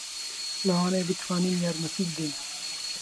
لەوانەیە بتوانین یارمەتی بدەین.